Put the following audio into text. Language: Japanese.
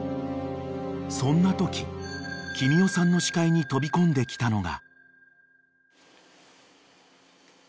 ［そんなとき君代さんの視界に飛び込んできたのが］